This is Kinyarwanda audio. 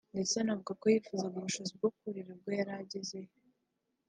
ndetse anavuga ko yifuza ubushobozi bwo kurira ubwo yari kuba agezeyo